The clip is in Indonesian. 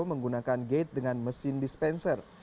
menggunakan gate dengan mesin dispenser